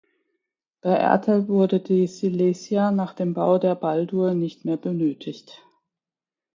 Bei Ertel wurde die "Silesia" nach dem Bau der "Baldur" nicht mehr benötigt.